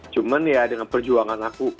cuman ya dengan perjuangan aku